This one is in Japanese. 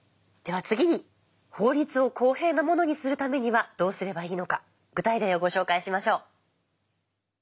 では次に法律を公平なものにするためにはどうすればいいのか具体例をご紹介しましょう。